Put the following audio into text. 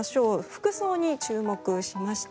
服装に注目しました。